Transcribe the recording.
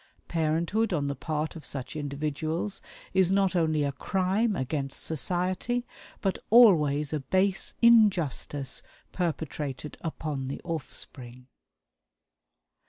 Parenthood on the part of such individuals is not only a crime against society, but always a base injustice perpetrated upon the offspring.